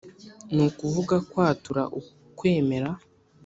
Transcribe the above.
ni ukuvuga kwatura ukwemera